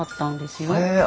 へえ！